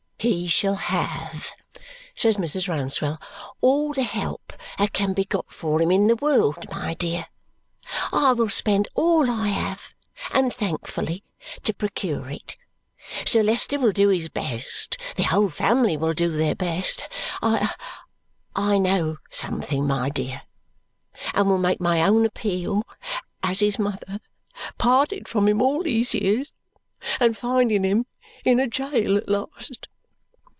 "He shall have," says Mrs. Rouncewell, "all the help that can be got for him in the world, my dear. I will spend all I have, and thankfully, to procure it. Sir Leicester will do his best, the whole family will do their best. I I know something, my dear; and will make my own appeal, as his mother parted from him all these years, and finding him in a jail at last."